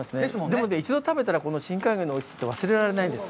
でもね、一度食べたら、深海魚のおいしさって、忘れられないです。